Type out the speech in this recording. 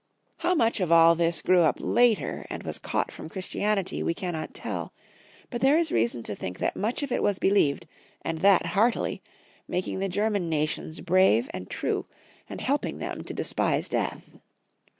How much of all tliis grew up later and was caught from Christianity we cannot tell ; but there is reason to think that much of it was believed, and that heartily, making the German nations brave and true, and helping them to despise death.